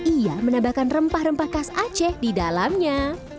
ia menambahkan rempah rempah khas aceh di dalamnya